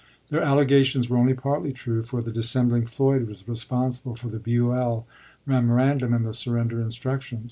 Their alle gations were only partly true, for the dissembling Floyd was responsible for the Buell memorandum and the surrender instructions.